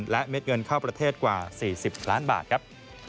และเม็ดเงินเข้าประเทศกว่า๔๐ล้านบาทครับ